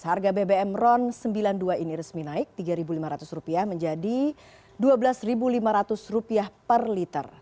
harga bbm ron sembilan puluh dua ini resmi naik rp tiga lima ratus menjadi rp dua belas lima ratus per liter